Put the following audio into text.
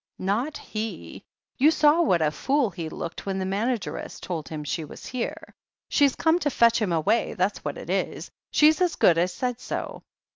"Not he ! You saw what a fool he looked when the manageress told him she was here. She's come to fetch him away, that's what it is. She as good as said so.